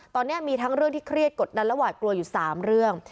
ตอนนี้มีทั้งเรื่องที่เครียดกดดันและหวาดกลัวอยู่๓เรื่อง